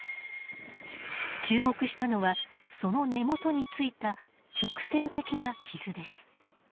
注目したのはその根元についた直線的な傷です。